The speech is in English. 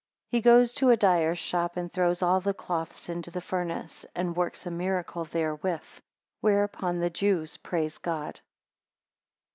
8 He goes to a dyer's shop, and throws all the cloths into the furnace, and works a miracle therewith. 15 Whereupon the Jews praise God.